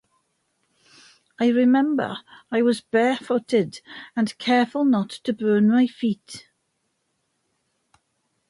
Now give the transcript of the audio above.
I remember I was barefooted and careful not to burn my feet.